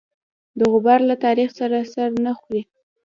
د غبار له تاریخ سره سر نه خوري.